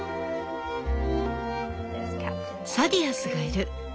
サディアスがいる。